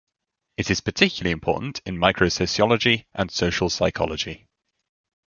It is particularly important in microsociology and social psychology.